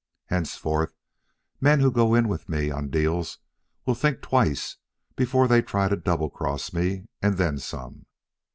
Henceforth, men who go in with me on deals will think twice before they try to double cross me, and then some."